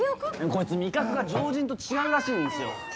こいつ味覚が常人と違うらしいんですよ。